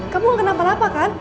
kamu gak kenapa napa kan